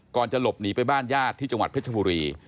ก่อนจะหลบหนีไปบ้านญาติที่จังหวัดพฤษภุรี